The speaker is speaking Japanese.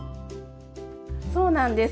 そうなんです！